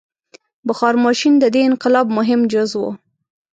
• بخار ماشین د دې انقلاب مهم جز و.